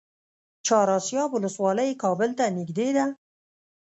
چهار اسیاب ولسوالۍ کابل ته نږدې ده؟